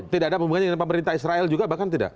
tidak ada hubungannya dengan pemerintah israel juga bahkan tidak